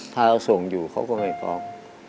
ถ้าเราส่งอยู่เขาก็ไม่ฟ้อง